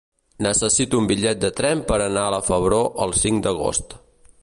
Necessito un bitllet de tren per anar a la Febró el cinc d'agost.